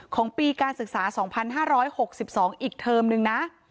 ของปีการศึกษา๒๕๖๒อีกเทอมนึงนะ